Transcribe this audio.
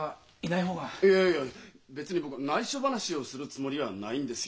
いやいや別に僕はないしょ話をするつもりはないんですよ。